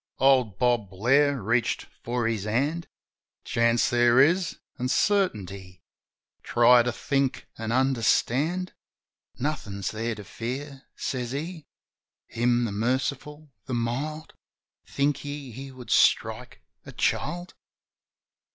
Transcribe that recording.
Old Bob Blair reached for his hand. "Chance there is, an' certainty. Try to think an' understand. Nothin's There to fear," says he. "Him, the Merciful, the Mild, Think ye He would strike a child?